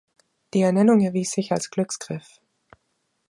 Die Ernennung erwies sich als Glücksgriff.